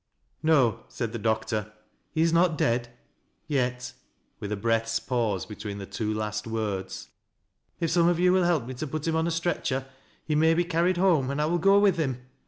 "No," said the doctor, "he is not dead— yet," with u oreath's pause between the two last words. " If some of 70U will help me to put him on a stretcher, he may be carried home, and I will go with him.